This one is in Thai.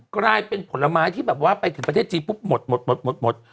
กลายเป็นผลไม้ที่แบบว่าไปถึงประเทศจีนปุ๊บหมดหมด